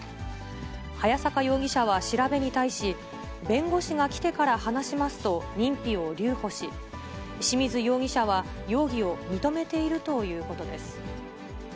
早坂容疑者は調べに対し、弁護士が来てから話しますと認否を留保し、清水容疑者は容疑を認めているということです。